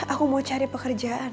aku mau cari pekerjaan